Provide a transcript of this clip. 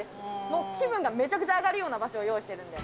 もう気分がめちゃくちゃ上がるような場所を用意してるので。